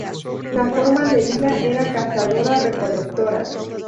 La forma de vida era cazadora-recolectora.